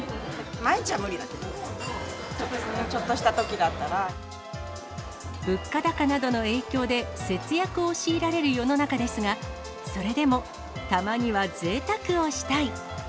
毎日は無理だけど、ちょっとした物価高などの影響で、節約を強いられる世の中ですが、それでも、たまにはぜいたくをしたい。